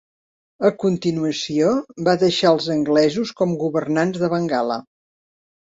A continuació va deixar els anglesos com governants de Bengala.